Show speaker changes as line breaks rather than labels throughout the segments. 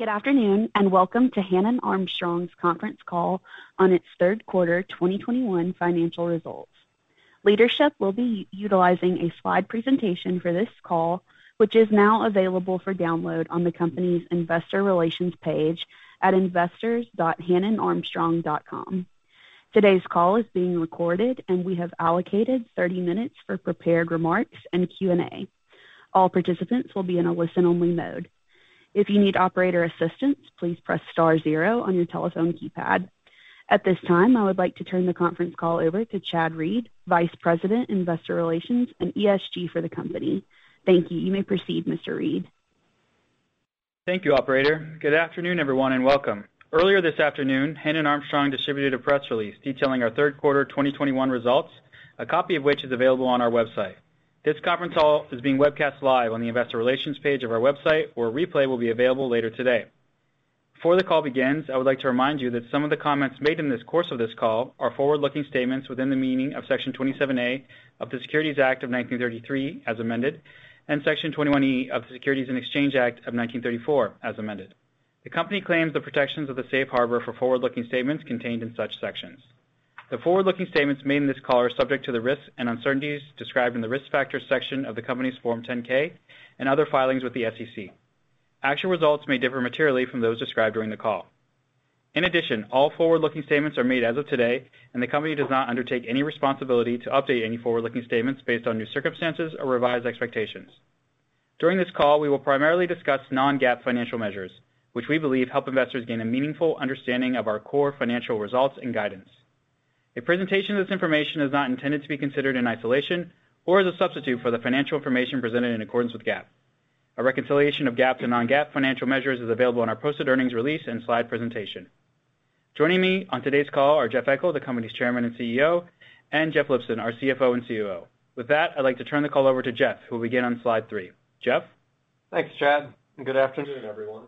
Good afternoon, and welcome to Hannon Armstrong's conference call on its Q3 2021 financial results. Leadership will be utilizing a slide presentation for this call, which is now available for download on the company's investor relations page at investors.hannonarmstrong.com. Today's call is being recorded, and we have allocated 30 minutes for prepared remarks and Q&A. All participants will be in a listen-only mode. If you need operator assistance, please press star zero on your telephone keypad. At this time, I would like to turn the conference call over to Chad Reed, Vice President, Investor Relations, and ESG for the company. Thank you. You may proceed, Mr. Reed.
Thank you, operator. Good afternoon, everyone, and welcome. Earlier this afternoon, Hannon Armstrong distributed a press release detailing our Q3 2021 results, a copy of which is available on our website. This conference call is being webcast live on the investor relations page of our website, where a replay will be available later today. Before the call begins, I would like to remind you that some of the comments made in the course of this call are forward-looking statements within the meaning of Section 27A of the Securities Act of 1933, as amended, and Section 21E of the Securities Exchange Act of 1934, as amended. The company claims the protections of the safe harbor for forward-looking statements contained in such sections. The forward-looking statements made in this call are subject to the risks and uncertainties described in the Risk Factors section of the company's Form 10-K and other filings with the SEC. Actual results may differ materially from those described during the call. In addition, all forward-looking statements are made as of today, and the company does not undertake any responsibility to update any forward-looking statements based on new circumstances or revised expectations. During this call, we will primarily discuss non-GAAP financial measures, which we believe help investors gain a meaningful understanding of our core financial results and guidance. A presentation of this information is not intended to be considered in isolation or as a substitute for the financial information presented in accordance with GAAP. A reconciliation of GAAP to non-GAAP financial measures is available on our posted earnings release and slide presentation. Joining me on today's call are Jeff Eckel, the company's Chairman and CEO, and Jeff Lipson, our CFO and COO. With that, I'd like to turn the call over to Jeff, who will begin on slide three. Jeff?
Thanks, Chad, and good afternoon, everyone.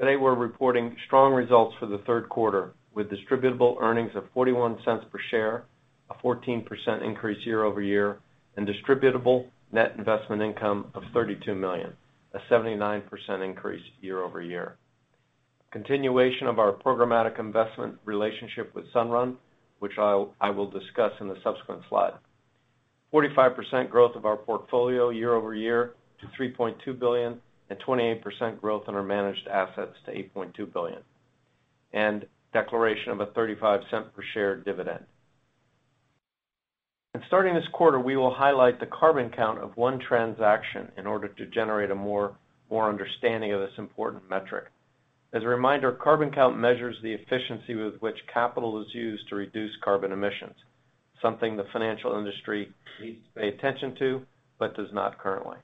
Today, we're reporting strong results for the Q3, with distributable earnings of $0.41 per share, a 14% increase year over year, and distributable net investment income of $32 million, a 79% increase year over year. Continuation of our programmatic investment relationship with Sunrun, which I will discuss in the subsequent slide. 45% growth of our portfolio year over year to $3.2 billion, and 28% growth in our managed assets to $8.2 billion. Declaration of a $0.35 per share dividend. Starting this quarter, we will highlight the CarbonCount of one transaction in order to generate a more understanding of this important metric. As a reminder, CarbonCount measures the efficiency with which capital is used to reduce carbon emissions, something the financial industry needs to pay attention to, but does not currently.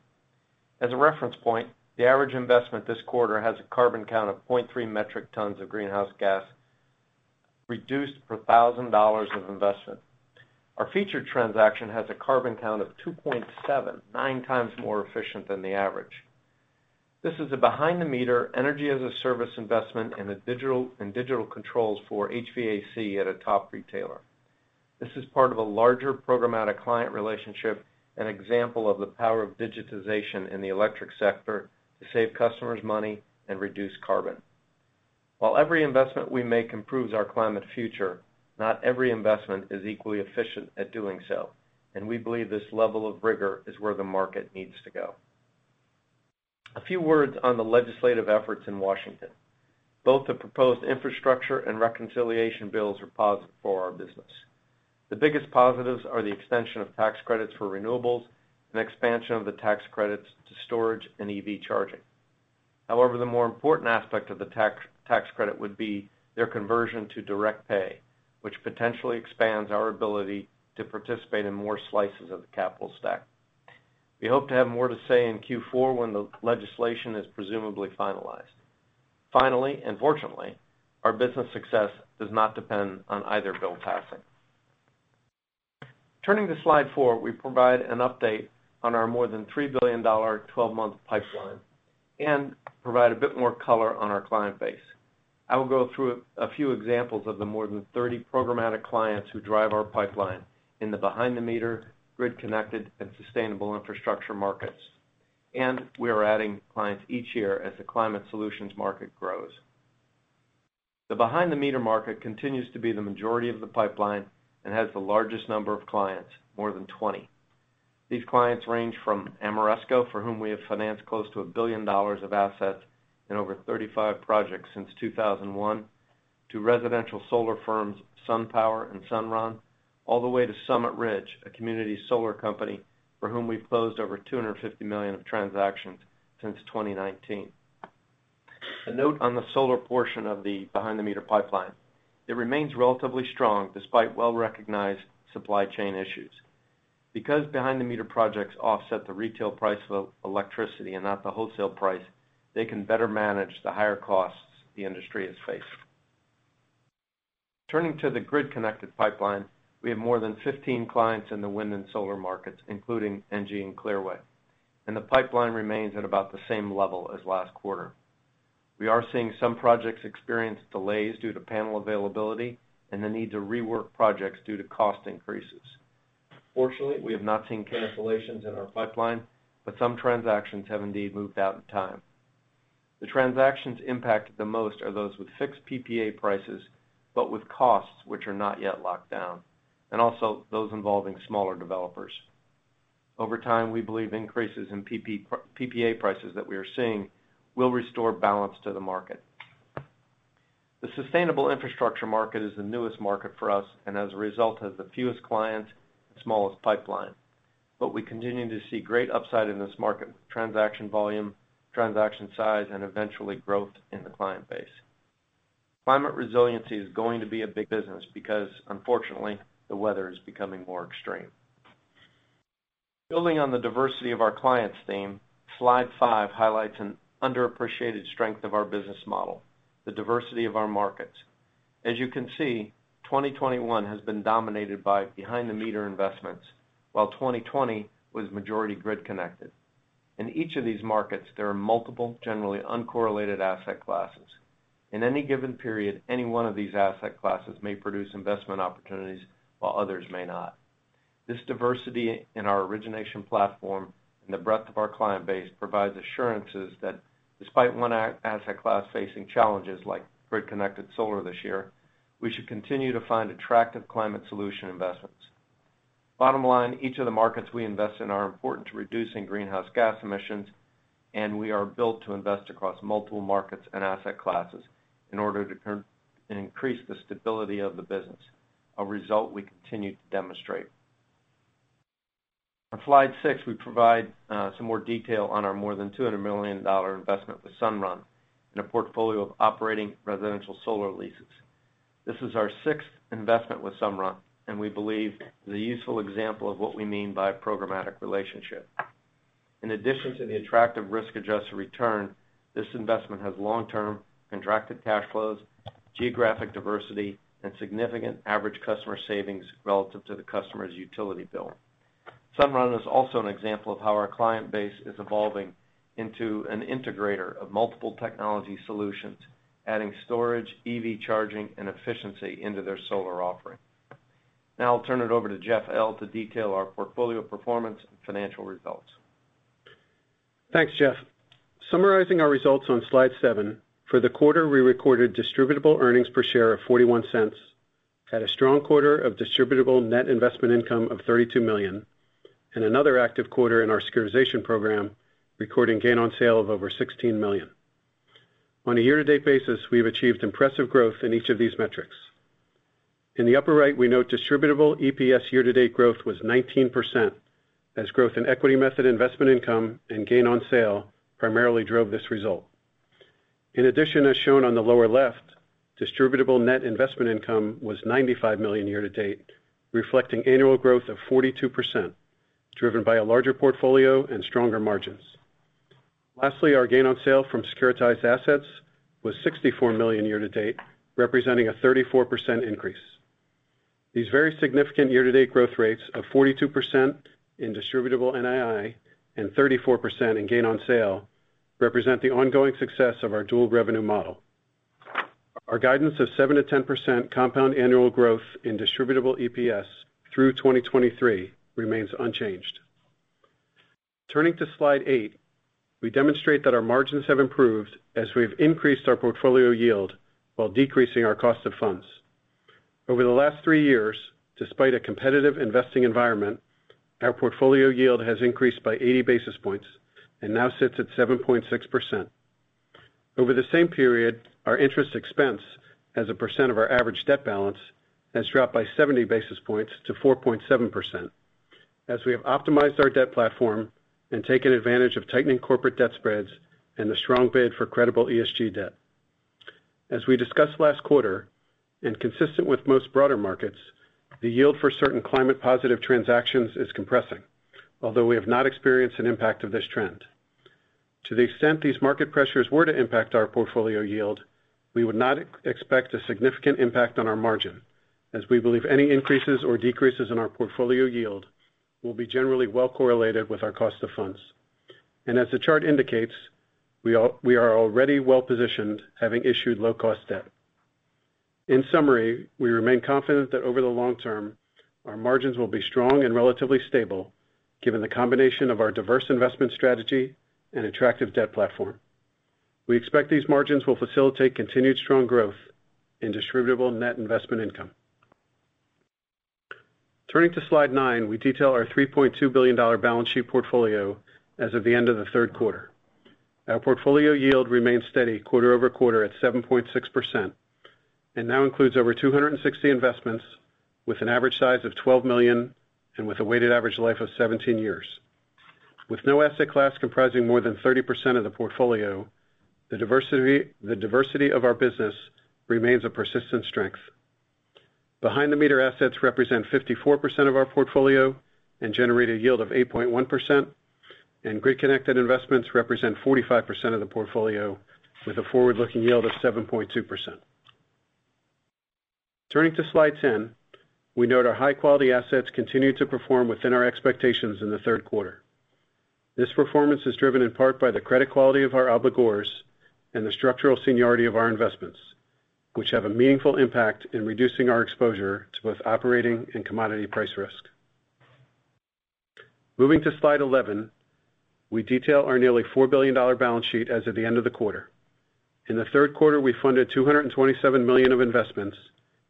As a reference point, the average investment this quarter has a CarbonCount of 0.3 metric tons of greenhouse gas reduced per $1,000 of investment. Our featured transaction has a CarbonCount of 2.7, nine times more efficient than the average. This is a behind the meter energy as a service investment in digital controls for HVAC at a top retailer. This is part of a larger programmatic client relationship, an example of the power of digitization in the electric sector to save customers money and reduce carbon. While every investment we make improves our climate future, not every investment is equally efficient at doing so, and we believe this level of rigor is where the market needs to go. A few words on the legislative efforts in Washington. Both the proposed infrastructure and reconciliation bills are positive for our business. The biggest positives are the extension of tax credits for renewables and expansion of the tax credits to storage and EV charging. However, the more important aspect of the tax credit would be their conversion to direct pay, which potentially expands our ability to participate in more slices of the capital stack. We hope to have more to say in Q4 when the legislation is presumably finalized. Finally, and fortunately, our business success does not depend on either bill passing. Turning to slide four, we provide an update on our more than $3 billion 12-month pipeline and provide a bit more color on our client base. I will go through a few examples of the more than 30 programmatic clients who drive our pipeline in the behind the meter, grid-connected, and sustainable infrastructure markets. We are adding clients each year as the climate solutions market grows. The behind the meter market continues to be the majority of the pipeline and has the largest number of clients, more than 20. These clients range from Ameresco, for whom we have financed close to $1 billion of assets in over 35 projects since 2001, to residential solar firms, SunPower and Sunrun, all the way to Summit Ridge, a community solar company for whom we've closed over $250 million of transactions since 2019. A note on the solar portion of the behind the meter pipeline. It remains relatively strong despite well-recognized supply chain issues. Because behind the meter projects offset the retail price of electricity and not the wholesale price, they can better manage the higher costs the industry is facing. Turning to the grid-connected pipeline, we have more than 15 clients in the wind and solar markets, including ENGIE and Clearway, and the pipeline remains at about the same level as last quarter. We are seeing some projects experience delays due to panel availability and the need to rework projects due to cost increases. Fortunately, we have not seen cancellations in our pipeline, but some transactions have indeed moved out in time. The transactions impacted the most are those with fixed PPA prices, but with costs which are not yet locked down, and also those involving smaller developers. Over time, we believe increases in PPA prices that we are seeing will restore balance to the market. The sustainable infrastructure market is the newest market for us and as a result, has the fewest clients and smallest pipeline. We continue to see great upside in this market, transaction volume, transaction size, and eventually growth in the client base. Climate resiliency is going to be a big business because unfortunately, the weather is becoming more extreme. Building on the diversity of our clients theme, slide five highlights an underappreciated strength of our business model, the diversity of our markets. As you can see, 2021 has been dominated by behind the meter investments, while 2020 was majority grid connected. In each of these markets, there are multiple, generally uncorrelated asset classes. In any given period, any one of these asset classes may produce investment opportunities while others may not. This diversity in our origination platform and the breadth of our client base provides assurances that despite one asset class facing challenges like grid-connected solar this year, we should continue to find attractive climate solution investments. Bottom line, each of the markets we invest in are important to reducing greenhouse gas emissions, and we are built to invest across multiple markets and asset classes in order to increase the stability of the business, a result we continue to demonstrate. On slide six, we provide some more detail on our more than $200 million investment with Sunrun in a portfolio of operating residential solar leases. This is our sixth investment with Sunrun, and we believe the useful example of what we mean by a programmatic relationship. In addition to the attractive risk-adjusted return, this investment has long-term contracted cash flows, geographic diversity, and significant average customer savings relative to the customer's utility bill. Sunrun is also an example of how our client base is evolving into an integrator of multiple technology solutions, adding storage, EV charging, and efficiency into their solar offering. Now I'll turn it over to Jeff Lipson to detail our portfolio performance and financial results.
Thanks, Jeff. Summarizing our results on slide seven, for the quarter, we recorded distributable earnings per share of $0.41 at a strong quarter of distributable net investment income of $32 million, and another active quarter in our securitization program, recording gain on sale of over $16 million. On a year-to-date basis, we have achieved impressive growth in each of these metrics. In the upper right, we note distributable EPS year-to-date growth was 19%, as growth in equity method investment income and gain on sale primarily drove this result. In addition, as shown on the lower left, distributable net investment income was $95 million year to date, reflecting annual growth of 42%, driven by a larger portfolio and stronger margins. Lastly, our gain on sale from securitized assets was $64 million year to date, representing a 34% increase. These very significant year-to-date growth rates of 42% in distributable NII and 34% in gain on sale represent the ongoing success of our dual revenue model. Our guidance of 7%-10% compound annual growth in distributable EPS through 2023 remains unchanged. Turning to slide eight, we demonstrate that our margins have improved as we've increased our portfolio yield while decreasing our cost of funds. Over the last three years, despite a competitive investing environment, our portfolio yield has increased by 80 basis points and now sits at 7.6%. Over the same period, our interest expense as a percent of our average debt balance has dropped by 70 basis points to 4.7% as we have optimized our debt platform and taken advantage of tightening corporate debt spreads and the strong bid for credible ESG debt. As we discussed last quarter, and consistent with most broader markets, the yield for certain climate positive transactions is compressing, although we have not experienced an impact of this trend. To the extent these market pressures were to impact our portfolio yield, we would not expect a significant impact on our margin, as we believe any increases or decreases in our portfolio yield will be generally well correlated with our cost of funds. As the chart indicates, we are already well-positioned, having issued low-cost debt. In summary, we remain confident that over the long term, our margins will be strong and relatively stable given the combination of our diverse investment strategy and attractive debt platform. We expect these margins will facilitate continued strong growth in distributable net investment income. Turning to slide nine, we detail our $3.2 billion balance sheet portfolio as of the end of the Q3. Our portfolio yield remains steady quarter-over-quarter at 7.6%, and now includes over 260 investments with an average size of $12 million and with a weighted average life of 17 years. With no asset class comprising more than 30% of the portfolio, the diversity of our business remains a persistent strength. Behind the meter assets represent 54% of our portfolio and generate a yield of 8.1%, and grid-connected investments represent 45% of the portfolio with a forward-looking yield of 7.2%. Turning to slide 10, we note our high-quality assets continued to perform within our expectations in the Q3. this performance is driven in part by the credit quality of our obligors and the structural seniority of our investments, which have a meaningful impact in reducing our exposure to both operating and commodity price risk. Moving to slide 11, we detail our nearly $4 billion balance sheet as of the end of the quarter. In the Q3, we funded $227 million of investments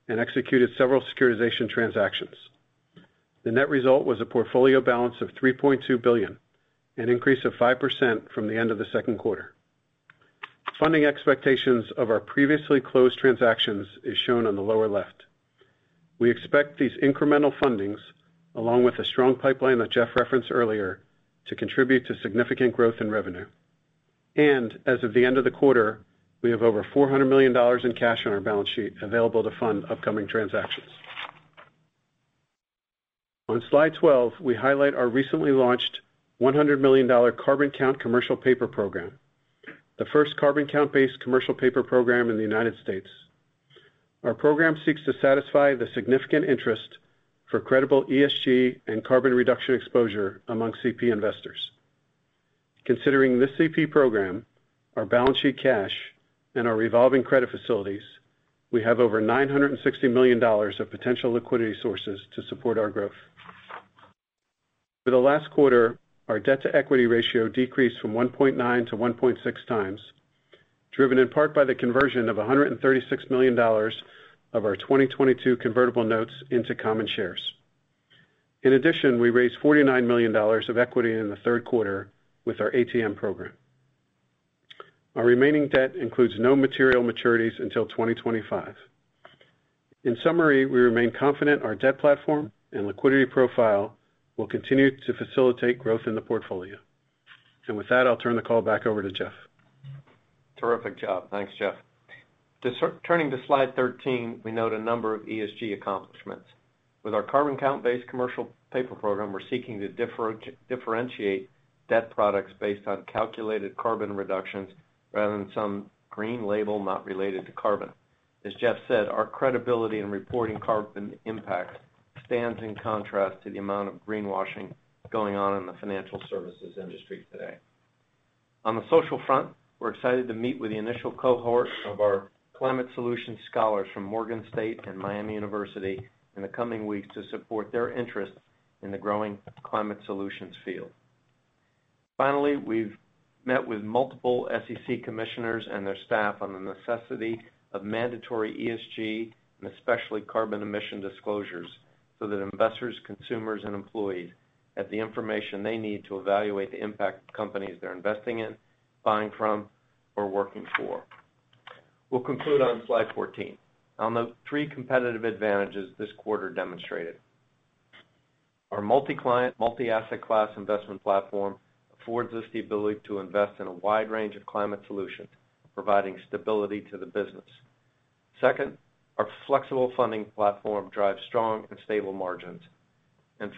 and executed several securitization transactions. The net result was a portfolio balance of $3.2 billion, an increase of 5% from the end of the Q2. Funding expectations of our previously closed transactions is shown on the lower left. We expect these incremental fundings, along with the strong pipeline that Jeff referenced earlier, to contribute to significant growth in revenue. As of the end of the quarter, we have over $400 million in cash on our balance sheet available to fund upcoming transactions. On slide 12, we highlight our recently launched $100 million CarbonCount commercial paper program, the first CarbonCount-based commercial paper program in the United States. Our program seeks to satisfy the significant interest for credible ESG and carbon reduction exposure among CP investors. Considering this CP program, our balance sheet cash, and our revolving credit facilities, we have over $960 million of potential liquidity sources to support our growth. For the last quarter, our debt-to-equity ratio decreased from 1.9 to 1.6 times, driven in part by the conversion of $136 million of our 2022 convertible notes into common shares. In addition, we raised $49 million of equity in the Q3 with our ATM program. Our remaining debt includes no material maturities until 2025. In summary, we remain confident our debt platform and liquidity profile will continue to facilitate growth in the portfolio. With that, I'll turn the call back over to Jeff.
Terrific job. Thanks, Jeff. Turning to slide 13, we note a number of ESG accomplishments. With our CarbonCount-based commercial paper program, we're seeking to differentiate debt products based on calculated carbon reductions rather than some green label not related to carbon. As Jeff said, our credibility in reporting carbon impact stands in contrast to the amount of greenwashing going on in the financial services industry today. On the social front, we're excited to meet with the initial cohort of our climate solution scholars from Morgan State and Miami University in the coming weeks to support their interest in the growing climate solutions field. Finally, we've met with multiple SEC commissioners and their staff on the necessity of mandatory ESG, and especially carbon emission disclosures, so that investors, consumers, and employees have the information they need to evaluate the impact companies they're investing in, buying from, or working for. We'll conclude on slide 14. I'll note three competitive advantages this quarter demonstrated. Our multi-client, multi-asset class investment platform affords us the ability to invest in a wide range of climate solutions, providing stability to the business. Second, our flexible funding platform drives strong and stable margins.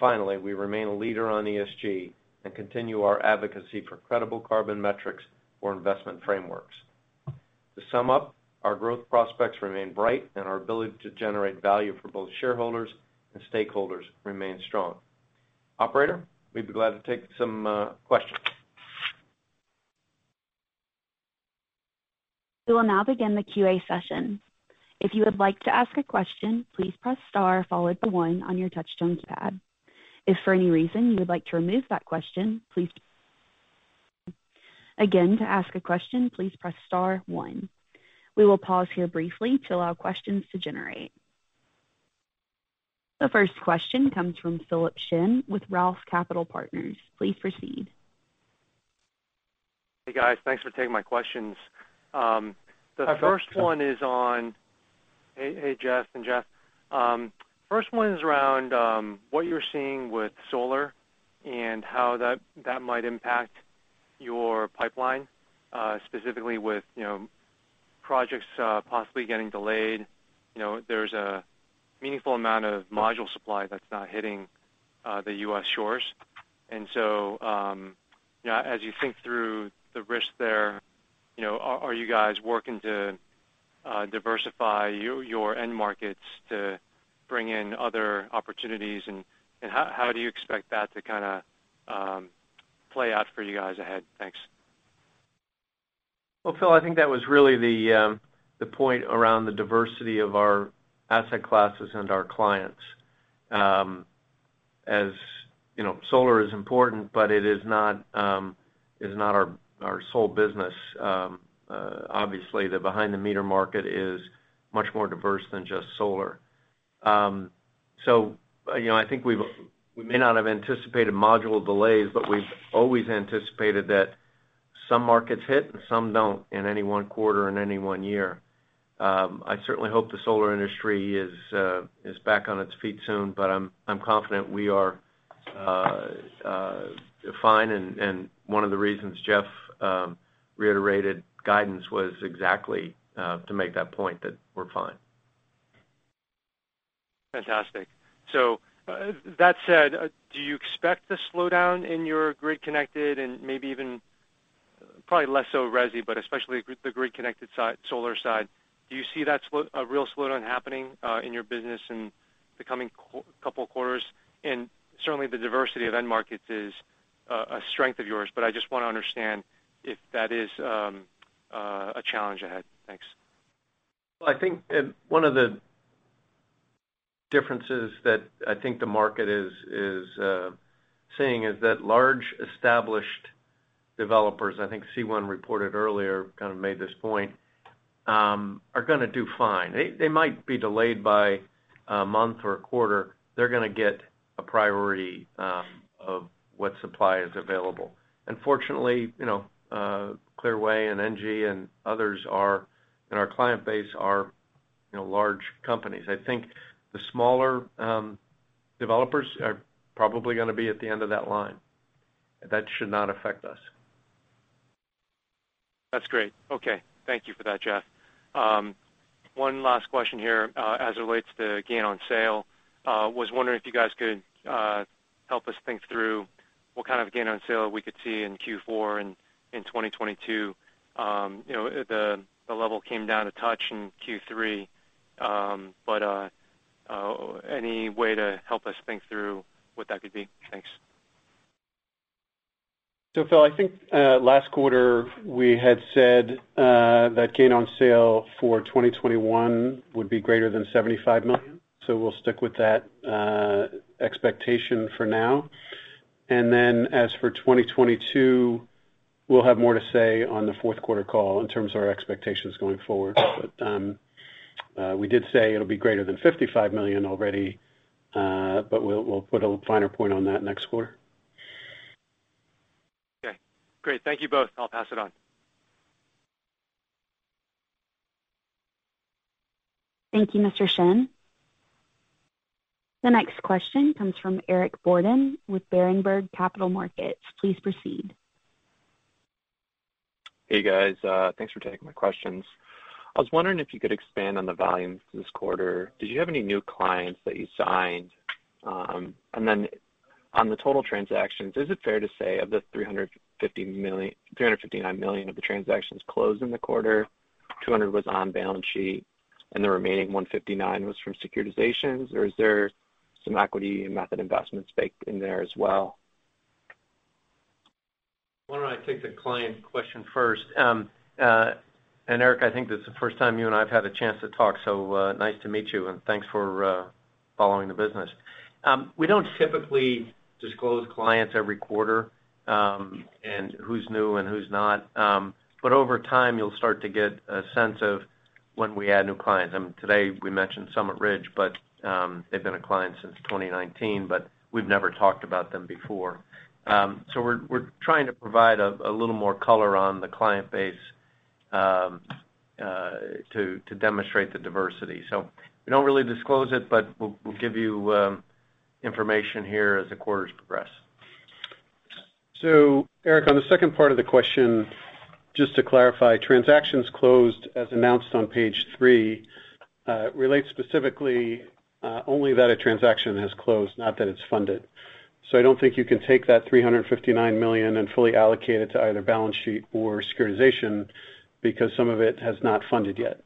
Finally, we remain a leader on ESG and continue our advocacy for credible carbon metrics for investment frameworks. To sum up, our growth prospects remain bright and our ability to generate value for both shareholders and stakeholders remains strong. Operator, we'd be glad to take some questions.
We will now begin the Q&A session. If you would like to ask a question, please press star followed by one on your touchtone keypad. If for any reason you would like to remove that question, please. Again, to ask a question, please press star one. We will pause here briefly to allow questions to generate. The first question comes from Philip Shen with Roth Capital Partners. Please proceed.
Hey, guys. Thanks for taking my questions. The first one is on-
Hi, Phil.
Hey, hey, Jeff and Jeff. First one is around what you're seeing with solar and how that might impact your pipeline, specifically with, you know, projects possibly getting delayed. You know, there's a meaningful amount of module supply that's not hitting the U.S. shores. As you think through the risk there, you know, are you guys working to diversify your end markets to bring in other opportunities, and how do you expect that to kinda play out for you guys ahead? Thanks.
Well, Phil, I think that was really the point around the diversity of our asset classes and our clients. As you know, solar is important, but it is not our sole business. Obviously, the behind the meter market is much more diverse than just solar. You know, I think we may not have anticipated module delays, but we've always anticipated that some markets hit and some don't in any one quarter, in any one year. I certainly hope the solar industry is back on its feet soon, but I'm confident we are fine. One of the reasons Jeff reiterated guidance was exactly to make that point that we're fine.
Fantastic. That said, do you expect the slowdown in your grid-connected and maybe even probably less so resi, but especially with the grid-connected side, solar side. Do you see that real slowdown happening in your business in the coming couple of quarters? Certainly the diversity of end markets is a strength of yours, but I just want to understand if that is a challenge ahead. Thanks.
Well, I think one of the differences that I think the market is seeing is that large established developers, I think SeaWind reported earlier, kind of made this point, are gonna do fine. They might be delayed by a month or a quarter. They're gonna get a priority of what supply is available. Fortunately, you know, Clearway and ENGIE and others in our client base are, you know, large companies. I think the smaller developers are probably gonna be at the end of that line. That should not affect us.
That's great. Okay. Thank you for that, Jeff. One last question here, as it relates to gain on sale. Was wondering if you guys could help us think through what kind of gain on sale we could see in Q4 and in 2022. You know, the level came down a touch in Q3. But any way to help us think through what that could be? Thanks.
Phil, I think last quarter, we had said that gain on sale for 2021 would be greater than $75 million. We'll stick with that expectation for now. As for 2022, we'll have more to say on the Q4 call in terms of our expectations going forward. We did say it'll be greater than $55 million already, but we'll put a finer point on that next quarter.
Okay, great. Thank you both. I'll pass it on.
Thank you, Mr. Shen. The next question comes from Eric Borden with Berenberg Capital Markets. Please proceed.
Hey, guys. Thanks for taking my questions. I was wondering if you could expand on the volumes this quarter. Did you have any new clients that you signed? And then on the total transactions, is it fair to say of the $359 million of the transactions closed in the quarter, $200 was on balance sheet and the remaining $159 was from securitizations? Or is there some equity method investments baked in there as well?
Why don't I take the client question first. And Eric, I think this is the first time you and I have had a chance to talk, so nice to meet you, and thanks for following the business. We don't typically disclose clients every quarter, and who's new and who's not. But over time, you'll start to get a sense of when we add new clients. Today, we mentioned Summit Ridge, but they've been a client since 2019, but we've never talked about them before. We're trying to provide a little more color on the client base, to demonstrate the diversity. We don't really disclose it, but we'll give you information here as the quarters progress.
Eric, on the second part of the question, just to clarify, transactions closed as announced on page three relates specifically only that a transaction has closed, not that it's funded. I don't think you can take that $359 million and fully allocate it to either balance sheet or securitization because some of it has not funded yet.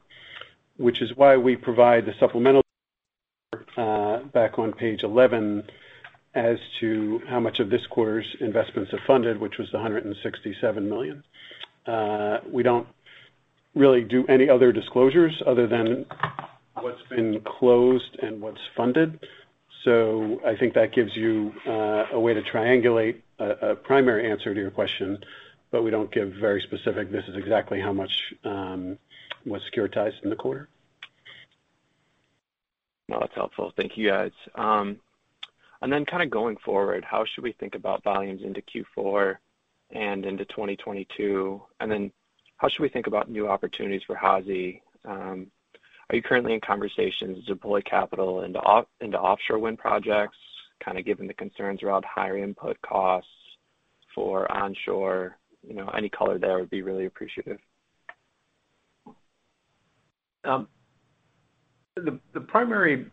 Which is why we provide the supplemental back on page 11 as to how much of this quarter's investments have funded, which was the $167 million. We don't really do any other disclosures other than what's been closed and what's funded. I think that gives you a way to triangulate a primary answer to your question, but we don't give very specific, this is exactly how much was securitized in the quarter.
No, that's helpful. Thank you, guys. Kind of going forward, how should we think about volumes into Q4 and into 2022? How should we think about new opportunities for HASI? Are you currently in conversations to deploy capital into offshore wind projects, kind of given the concerns around higher input costs for onshore? You know, any color there would be really appreciated.
The primary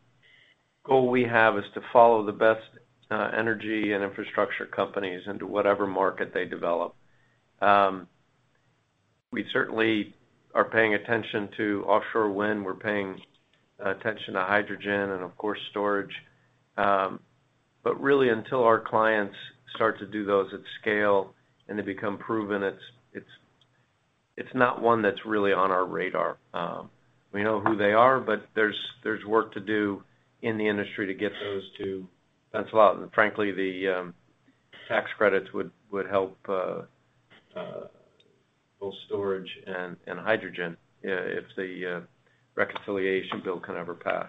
goal we have is to follow the best energy and infrastructure companies into whatever market they develop. We certainly are paying attention to offshore wind. We're paying attention to hydrogen and, of course, storage. Really until our clients start to do those at scale and they become proven, it's not one that's really on our radar. We know who they are, but there's work to do in the industry to get those to pencil out. Frankly, tax credits would help both storage and hydrogen if the reconciliation bill can ever pass.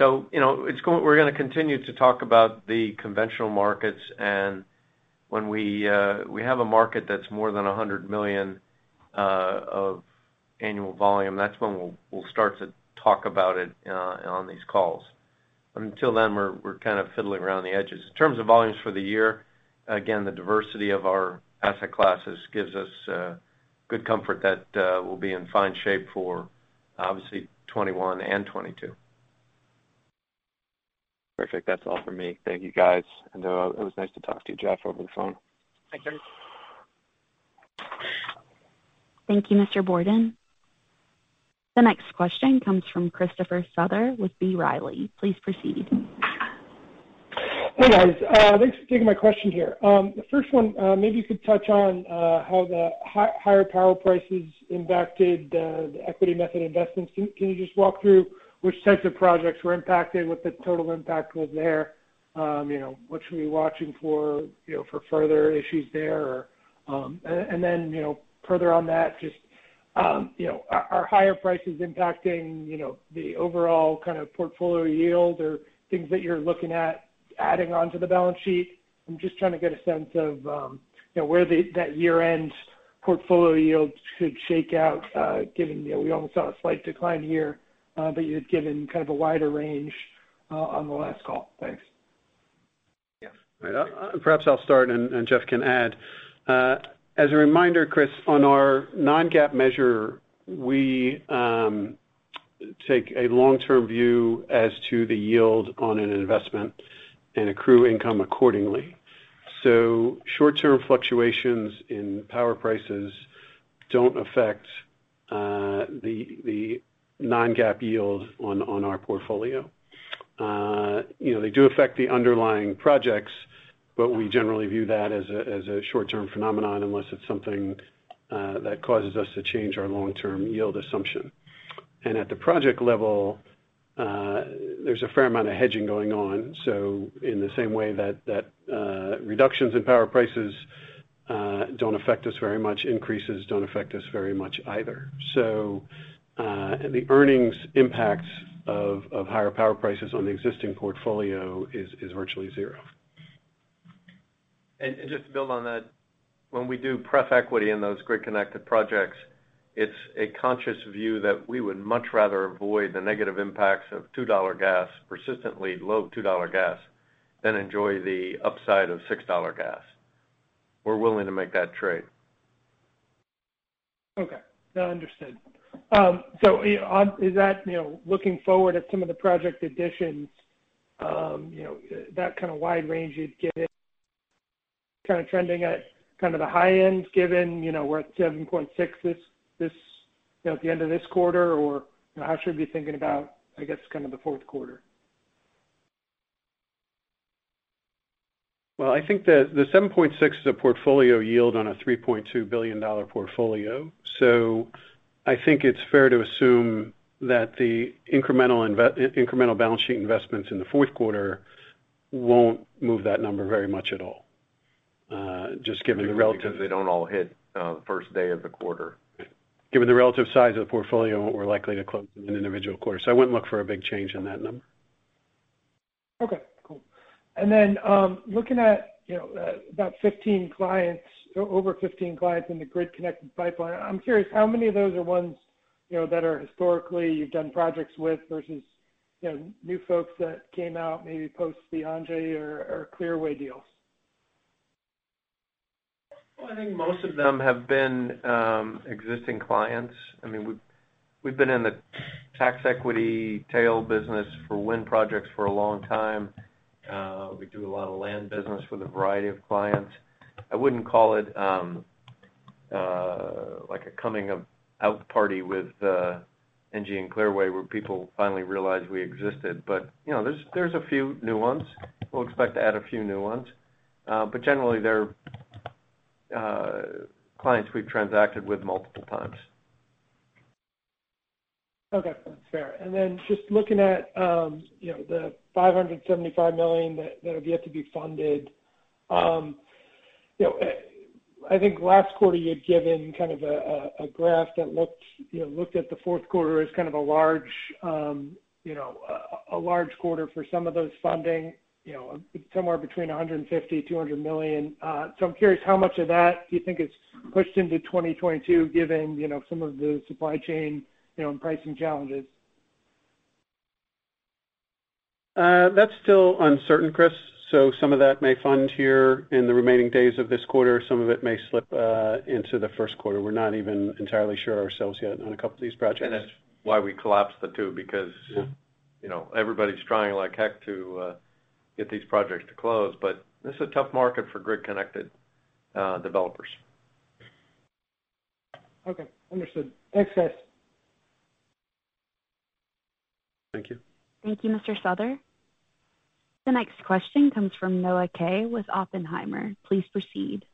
You know, we're gonna continue to talk about the conventional markets and when we have a market that's more than 100 million of annual volume, that's when we'll start to talk about it on these calls. Until then, we're kind of fiddling around the edges. In terms of volumes for the year, again, the diversity of our asset classes gives us good comfort that we'll be in fine shape for obviously 2021 and 2022.
Perfect. That's all for me. Thank you guys. It was nice to talk to you, Jeff, over the phone.
Thanks.
Thank you, Mr. Borden. The next question comes from Christopher Souther with B. Riley. Please proceed.
Hey, guys. Thanks for taking my question here. The first one, maybe you could touch on how the higher power prices impacted the equity method investment. So can you just walk through which types of projects were impacted, what the total impact was there? You know, what should we be watching for, you know, for further issues there or. And then, you know, further on that, just, you know, are higher prices impacting, you know, the overall kind of portfolio yield or things that you're looking at adding onto the balance sheet? I'm just trying to get a sense of, you know, where that year-end portfolio yield should shake out, given, you know, we almost saw a slight decline here, but you had given kind of a wider range on the last call. Thanks.
Yeah.
Perhaps I'll start and Jeff can add. As a reminder, Chris, on our non-GAAP measure, we take a long-term view as to the yield on an investment and accrue income accordingly. Short-term fluctuations in power prices don't affect the non-GAAP yield on our portfolio. You know, they do affect the underlying projects, but we generally view that as a short-term phenomenon, unless it's something that causes us to change our long-term yield assumption. At the project level, there's a fair amount of hedging going on. In the same way that reductions in power prices don't affect us very much, increases don't affect us very much either. The earnings impacts of higher power prices on the existing portfolio is virtually zero.
Just to build on that, when we do preferred equity in those grid-connected projects, it's a conscious view that we would much rather avoid the negative impacts of $2 gas, persistently low $2 gas, than enjoy the upside of $6 gas. We're willing to make that trade.
Okay. No, understood. So is that, you know, looking forward at some of the project additions, you know, that kind of wide range you'd get kind of trending at kind of the high end given, you know, we're at 7.6 this, you know, at the end of this quarter, or how should we be thinking about, I guess, kind of the Q4?
Well, I think the 7.6 is a portfolio yield on a $3.2 billion portfolio. I think it's fair to assume that the incremental balance sheet investments in the Q4 won't move that number very much at all, just given the relative-
Because they don't all hit the first day of the quarter.
Given the relative size of the portfolio, we're likely to close in an individual quarter, so I wouldn't look for a big change in that number.
Okay, cool. Then, looking at, you know, over 15 clients in the grid-connected pipeline, I'm curious how many of those are ones, you know, that are historically you've done projects with versus, you know, new folks that came out maybe post the ENGIE or Clearway deals?
Well, I think most of them have been existing clients. I mean, we've been in the tax equity deal business for wind projects for a long time. We do a lot of loan business with a variety of clients. I wouldn't call it like a coming out party with ENGIE and Clearway, where people finally realized we existed. You know, there's a few new ones. We'll expect to add a few new ones. Generally, they're clients we've transacted with multiple times.
Okay, that's fair. Then just looking at, you know, the $575 million that have yet to be funded, you know, I think last quarter you had given kind of a graph that looked, you know, at the Q4 as kind of a large quarter for some of those funding, you know, somewhere between $150-$200 million. So I'm curious how much of that do you think is pushed into 2022, given, you know, some of the supply chain, you know, and pricing challenges?
That's still uncertain, Chris. Some of that may fund here in the remaining days of this quarter. Some of it may slip into the Q1. We're not even entirely sure ourselves yet on a couple of these projects.
That's why we collapsed the two, because.
Yeah.
You know, everybody's trying like heck to get these projects to close. This is a tough market for grid-connected developers.
Okay. Understood. Thanks, guys.
Thank you.
Thank you, Mr. Christopher. The next question comes from Noah Kaye with Oppenheimer. Please proceed.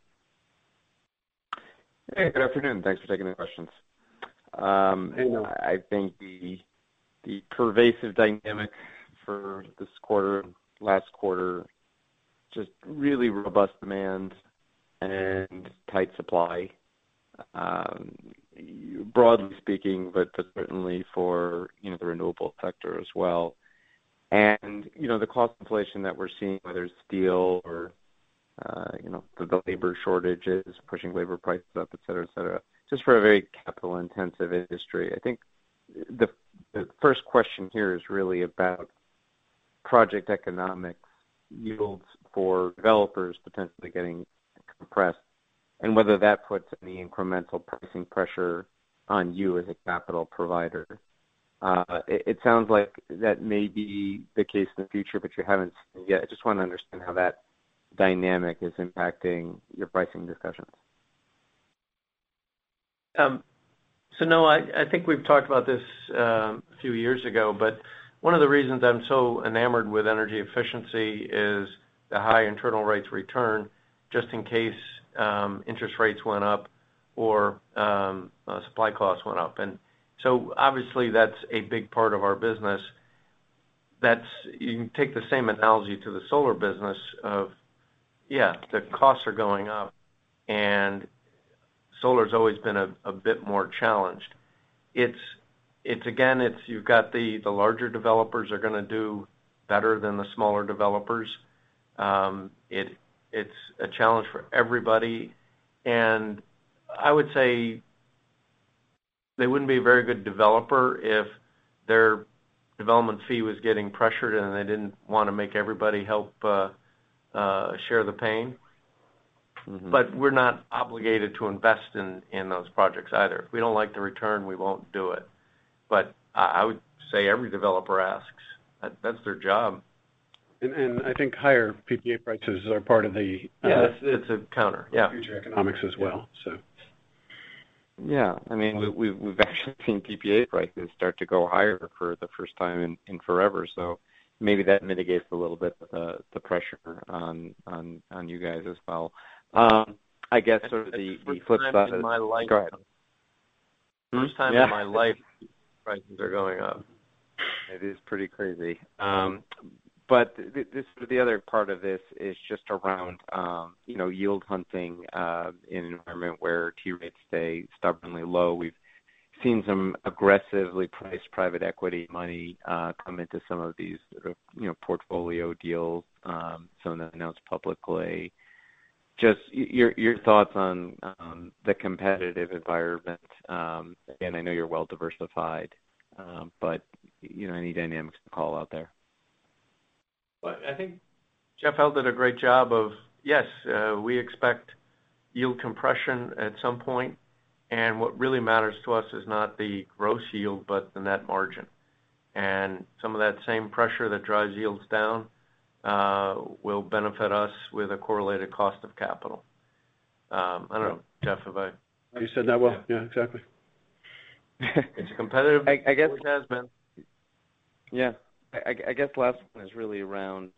Hey, good afternoon. Thanks for taking the questions. You know, I think the pervasive dynamic for this quarter and last quarter, just really robust demand and tight supply, broadly speaking, but certainly for, you know, the renewable sector as well. You know, the cost inflation that we're seeing, whether it's steel or, you know, the labor shortages pushing labor prices up, et cetera, et cetera, just for a very capital-intensive industry. I think the first question here is really about project economics yields for developers potentially getting compressed, and whether that puts any incremental pricing pressure on you as a capital provider. It sounds like that may be the case in the future, but you haven't seen it yet. I just wanna understand how that dynamic is impacting your pricing discussions.
No, I think we've talked about this a few years ago, but one of the reasons I'm so enamored with energy efficiency is the high internal rate of return just in case interest rates went up or supply costs went up. Obviously, that's a big part of our business. You can take the same analogy to the solar business. Yeah, the costs are going up, and solar's always been a bit more challenged. It's. Again, it's you've got the larger developers are gonna do better than the smaller developers. It's a challenge for everybody. I would say they wouldn't be a very good developer if their development fee was getting pressured and they didn't wanna make everybody help share the pain.
Mm-hmm.
We're not obligated to invest in those projects either. If we don't like the return, we won't do it. I would say every developer asks. That's their job.
I think higher PPA prices are part of the
Yeah. It's a counter. Yeah
future economics as well.
Yeah. I mean, we've actually seen PPA prices start to go higher for the first time in forever. Maybe that mitigates a little bit the pressure on you guys as well. I guess sort of the flip side.
The first time in my life.
Yeah
In my life prices are going up. It is pretty crazy. This, the other part of this is just around, you know, yield hunting, in an environment where T-rates stay stubbornly low. We've seen some aggressively priced private equity money, come into some of these, sort of, you know, portfolio deals, some announced publicly. Just your thoughts on, the competitive environment. Again, I know you're well diversified, but, you know, any dynamics to call out there. Well, I think Jeff Lipson did a great job of, yes, we expect yield compression at some point, and what really matters to us is not the gross yield, but the net margin. Some of that same pressure that drives yields down, will benefit us with a correlated cost of capital. I don't know, Jeff, have I-
You said that well. Yeah, exactly.
It's competitive.
I guess.
Always has been.
Yeah. I guess the last one is really around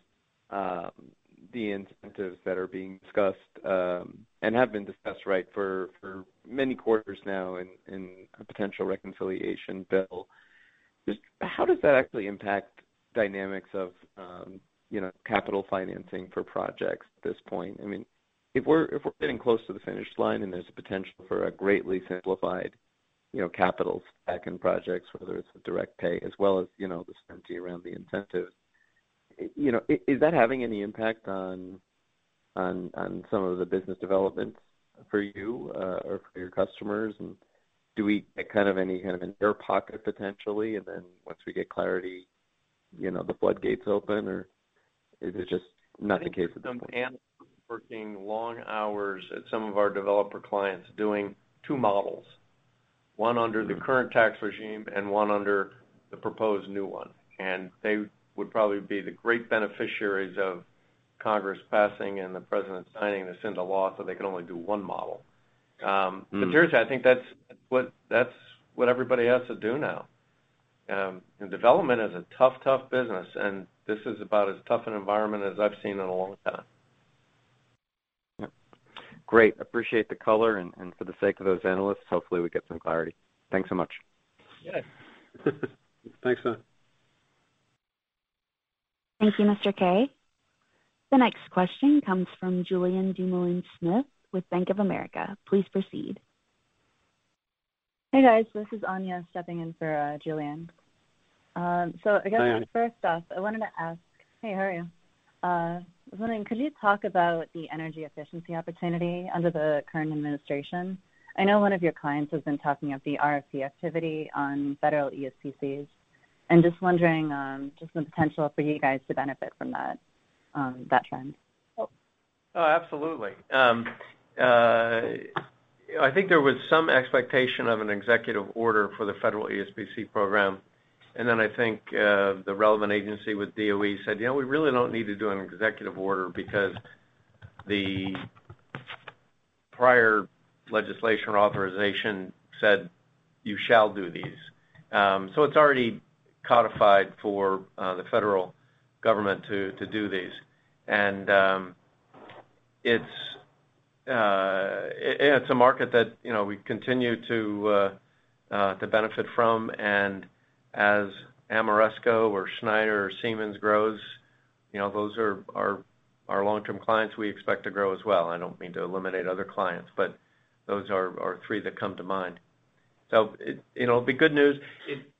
the incentives that are being discussed and have been discussed, right, for many quarters now in a potential reconciliation bill. Just how does that actually impact dynamics of capital financing for projects at this point? I mean, if we're getting close to the finish line and there's a potential for a greatly simplified capital stack in projects, whether it's a direct pay as well as the certainty around the incentives, is that having any impact on some of the business developments for you or for your customers? And do we get kind of any kind of an air pocket potentially, and then once we get clarity, the floodgates open, or is it just not the case at this point?
Working long hours at some of our developer clients doing two models: one under the current tax regime and one under the proposed new one. They would probably be the great beneficiaries of Congress passing and the President signing this into law, so they can only do one model. Seriously, I think that's what everybody has to do now. Development is a tough business, and this is about as tough an environment as I've seen in a long time.
Yeah. Great. Appreciate the color and for the sake of those analysts, hopefully we get some clarity. Thanks so much.
Good.
Thanks, Noah.
Thank you, Mr. Kaye. The next question comes from Julien Dumoulin-Smith with Bank of America. Please proceed.
Hey, guys. This is Anya stepping in for Julien. I guess.
Hey.
First off, I wanted to ask. Hey, how are you? I was wondering, could you talk about the energy efficiency opportunity under the current administration? I know one of your clients has been talking of the RFP activity on federal ESPCs. I'm just wondering, just the potential for you guys to benefit from that trend.
Oh, absolutely. I think there was some expectation of an executive order for the federal ESPC program. Then I think the relevant agency with DOE said, "You know, we really don't need to do an executive order because the prior legislation or authorization said you shall do these." It's already codified for the federal government to do these. It's a market that, you know, we continue to benefit from. As Ameresco or Schneider or Siemens grows, you know, those are our long-term clients we expect to grow as well. I don't mean to eliminate other clients, but those are three that come to mind. It, you know, it'll be good news.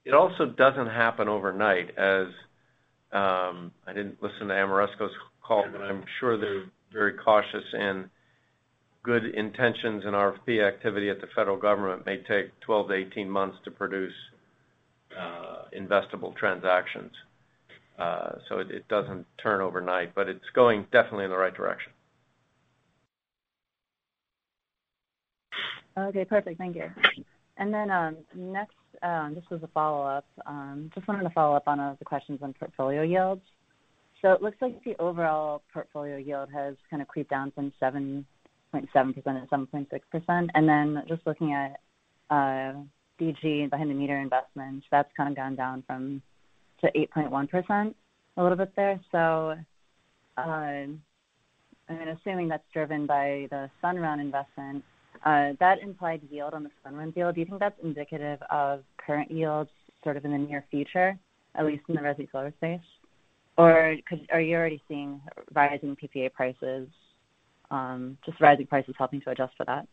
It also doesn't happen overnight as... I didn't listen to Ameresco's call, but I'm sure they're very cautious in good intentions in RFP activity at the federal government may take 12-18 months to produce investable transactions. It doesn't turn overnight, but it's going definitely in the right direction.
Okay, perfect. Thank you. Next, this was a follow-up. Just wanted to follow up on the questions on portfolio yields. It looks like the overall portfolio yield has kind of crept down from 7.7% to 7.6%. Just looking at DG behind the meter investments, that's kind of gone down from to 8.1% a little bit there. I mean, assuming that's driven by the Sunrun investment, that implied yield on the Sunrun deal, do you think that's indicative of current yields sort of in the near future, at least in the resi solar space? Or are you already seeing rising PPA prices, just rising prices helping to adjust for that?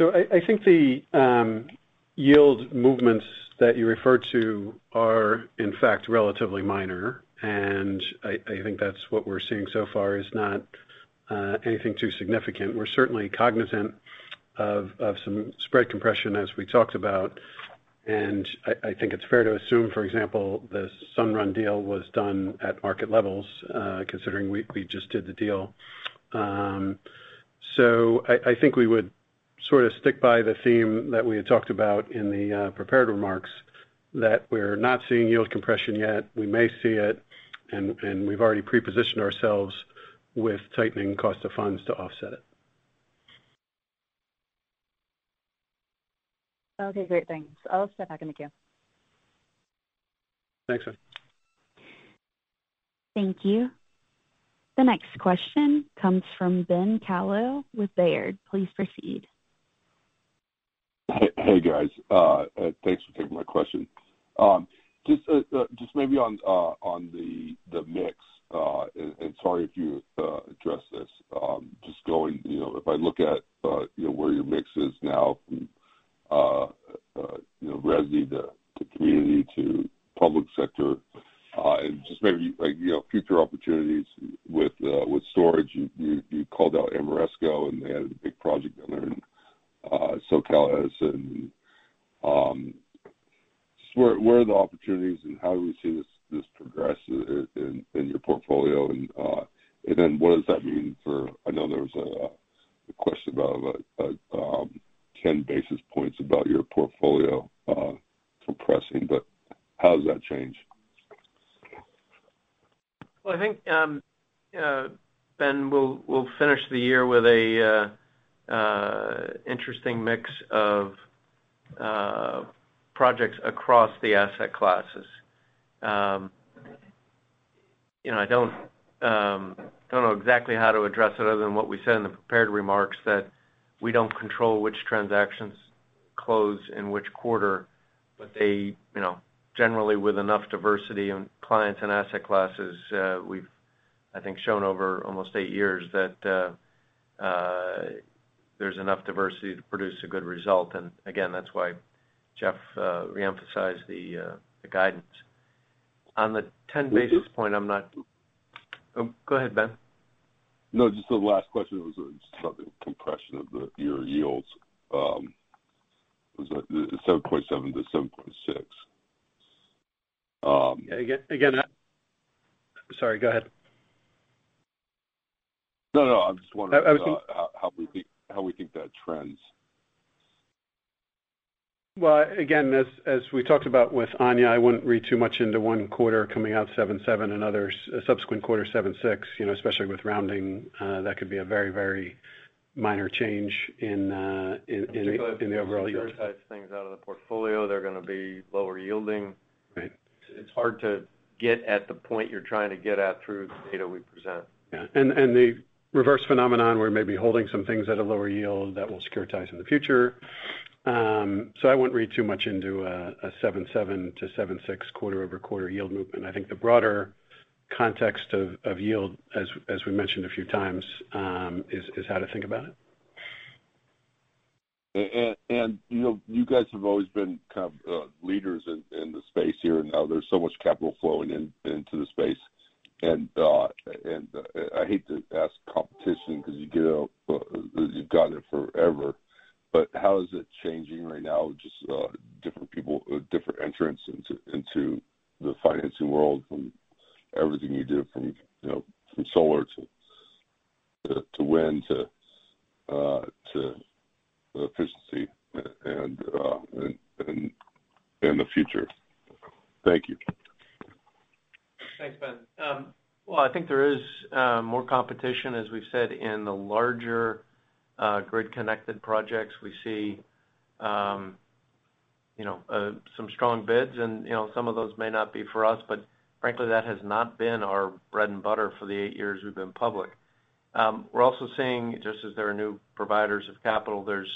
I think the yield movements that you refer to are, in fact, relatively minor. I think that's what we're seeing so far is not anything too significant. We're certainly cognizant of some spread compression, as we talked about. I think it's fair to assume, for example, the Sunrun deal was done at market levels, considering we just did the deal. I think we would sort of stick by the theme that we had talked about in the prepared remarks that we're not seeing yield compression yet. We may see it, and we've already pre-positioned ourselves with tightening cost of funds to offset it.
Okay, great. Thanks. I'll step back in the queue.
Thanks.
Thank you. The next question comes from Ben Kallo with Baird. Please proceed.
Hey, guys, thanks for taking my question. Just maybe on the mix, and sorry if you addressed this. Just going, you know, if I look at, you know, where your mix is now from, you know, resi to community to public sector, and just maybe, like, you know, future opportunities with storage. You called out Ameresco, and they had a big project down there in SoCal Edison. So where are the opportunities and how do we see this progress in your portfolio? And then what does that mean for. I know there was a question about, like, 10 basis points about your portfolio compressing, but how does that change?
Well, I think, Ben, we'll finish the year with an interesting mix of projects across the asset classes. You know, I don't know exactly how to address it other than what we said in the prepared remarks, that we don't control which transactions close in which quarter. They, you know, generally with enough diversity in clients and asset classes, we've, I think, shown over almost eight years that there's enough diversity to produce a good result. Again, that's why Jeff re-emphasized the guidance. On the 10 basis point, I'm not-Is it- Oh, go ahead, Ben.
No, just the last question was just about the compression of your yields. Was that the 7.7-7.6?
Sorry, go ahead.
No, no, I was just wondering.
I was-
How we think that trends.
Well, again, as we talked about with Anya, I wouldn't read too much into one quarter coming out 7.7, another subsequent quarter 7.6. You know, especially with rounding, that could be a very, very minor change in the overall yields.
If you securitize things out of the portfolio, they're gonna be lower yielding.
Right.
It's hard to get at the point you're trying to get at through the data we present.
Yeah, the reverse phenomenon, we're maybe holding some things at a lower yield that we'll securitize in the future. So I wouldn't read too much into a 7.7%-7.6% quarter-over-quarter yield movement. I think the broader context of yield, as we mentioned a few times, is how to think about it.
You know, you guys have always been kind of leaders in the space here, and now there's so much capital flowing in, into the space. I hate to ask about competition because you've got it forever. How is it changing right now? Just different people, different entrants into the financing world from everything you do, you know, from solar to wind to efficiency and the future. Thank you.
Thanks, Ben. I think there is more competition, as we've said, in the larger grid-connected projects. We see you know some strong bids and, you know, some of those may not be for us, but frankly, that has not been our bread and butter for the eight years we've been public. We're also seeing, just as there are new providers of capital, there's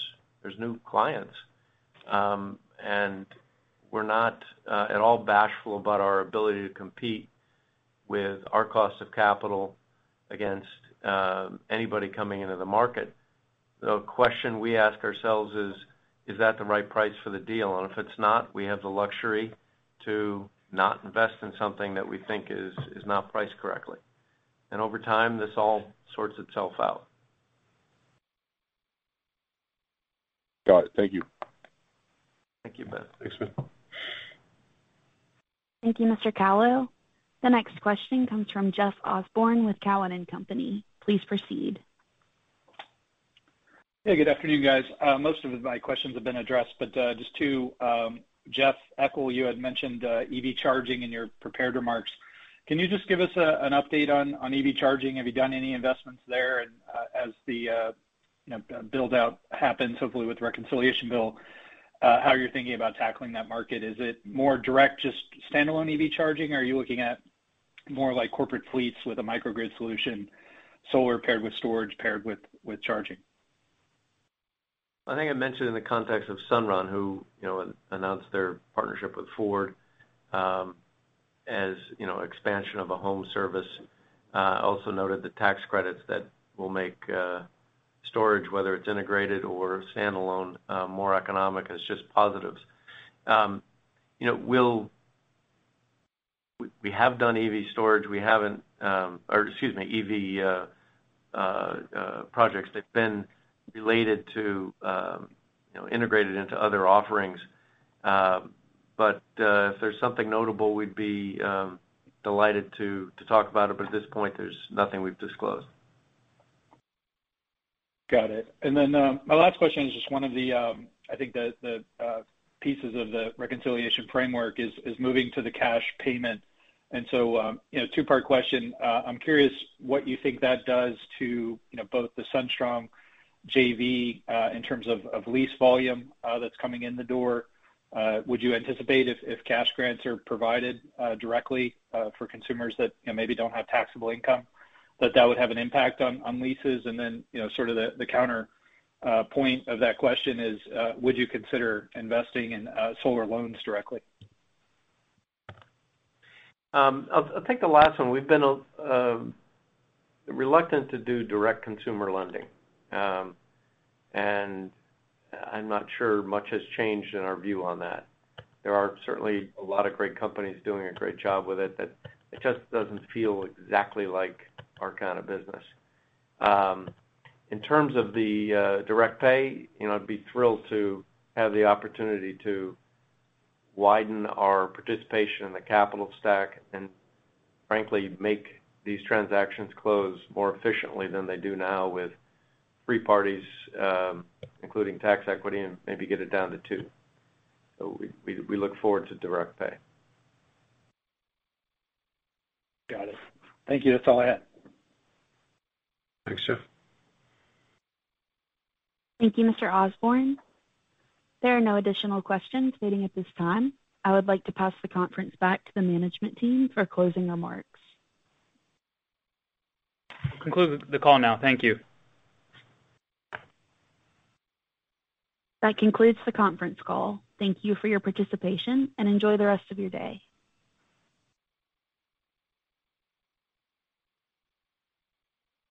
new clients. We're not at all bashful about our ability to compete with our cost of capital against anybody coming into the market. The question we ask ourselves is that the right price for the deal? If it's not, we have the luxury to not invest in something that we think is not priced correctly. Over time, this all sorts itself out.
Got it. Thank you.
Thank you, Ben. Thanks, Ben.
Thank you, Mr. Kallo. The next question comes from Jeff Osborne with Cowen and Company. Please proceed.
Hey, good afternoon, guys. Most of my questions have been addressed, but just to Jeff Eckel, you had mentioned EV charging in your prepared remarks. Can you just give us an update on EV charging? Have you done any investments there? As the you know build-out happens, hopefully with the reconciliation bill, how you're thinking about tackling that market. Is it more direct, just standalone EV charging? Are you looking at more like corporate fleets with a microgrid solution, solar paired with storage paired with charging?
I think I mentioned in the context of Sunrun, who, you know, announced their partnership with Ford, as, you know, expansion of a home service, also noted the tax credits that will make storage, whether it's integrated or standalone, more economic. It's just positives. You know, we have done EV storage. We haven't, or excuse me, EV projects that's been related to, you know, integrated into other offerings. If there's something notable, we'd be delighted to talk about it. At this point, there's nothing we've disclosed.
Got it. My last question is just one of the, I think the pieces of the reconciliation framework is moving to the cash payment. You know, two-part question. I'm curious what you think that does to, you know, both the SunStrong JV, in terms of lease volume that's coming in the door. Would you anticipate if cash grants are provided directly for consumers that, you know, maybe don't have taxable income, that would have an impact on leases? You know, sort of the counterpoint of that question is, would you consider investing in solar loans directly?
I'll take the last one. We've been reluctant to do direct consumer lending. I'm not sure much has changed in our view on that. There are certainly a lot of great companies doing a great job with it, that it just doesn't feel exactly like our kind of business. In terms of the direct pay, you know, I'd be thrilled to have the opportunity to widen our participation in the capital stack and frankly, make these transactions close more efficiently than they do now with three parties, including tax equity, and maybe get it down to two. We look forward to direct pay.
Got it. Thank you. That's all I had.
Thanks, Jeff.
Thank you, Mr. Osborne. There are no additional questions waiting at this time. I would like to pass the conference back to the management team for closing remarks.
We'll conclude the call now. Thank you.
That concludes the conference call. Thank you for your participation, and enjoy the rest of your day.